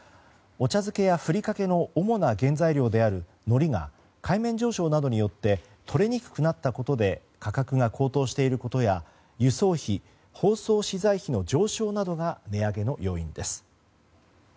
お茶漬けや、ふりかけの主な原材料であるノリが海面上昇などによってとれにくくなったことで価格が高騰していることや輸送費・包装資材費の上昇などが値上げの要因です。